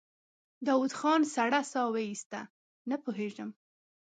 داوود خان سړه سا وايسته: نه پوهېږم.